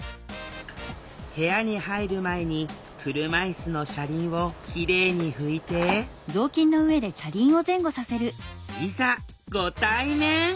部屋に入る前に車いすの車輪をきれいに拭いていざご対面！